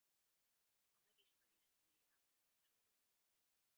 A megismerés céljához kapcsolódik.